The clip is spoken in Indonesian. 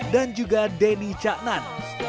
dan juga denny caknan